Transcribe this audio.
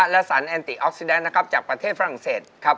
และสารแอนติออกซิดันจากประเทศฝรั่งเศส